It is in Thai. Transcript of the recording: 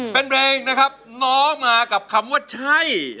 เป็นเพลงนะครับน้องมากับคำว่าใช่